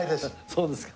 そうですか。